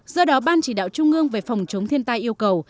do đó ban chỉ đạo trung ương về phòng chống thiên tai yêu cầu